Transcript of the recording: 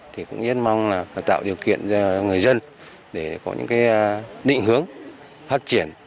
thì cũng nhất mong là tạo điều kiện cho người dân để có những định hướng phát triển